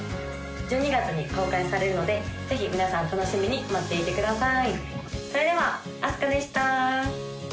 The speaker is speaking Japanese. １２月に公開されるのでぜひ皆さん楽しみに待っていてください